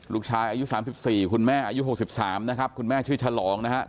ลูกชายอายุ๓๔คุณแม่อายุ๖๓นะครับคุณแม่ชื่อฉลองนะครับ